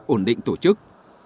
ổn định tổ chức